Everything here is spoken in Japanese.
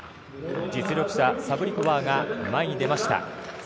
実力者、サブリコバーが前に出ました。